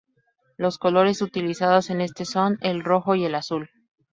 Los colores utilizados en este son el rojo y el azul.